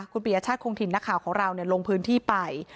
คุณปียชาติคงถิ่นนักข่าวของเราลงพื้นที่ไป